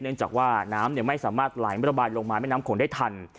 เนื่องจากว่าน้ำไม่สามารถไหลระบายลงมาแม่น้ำโขงได้ทัน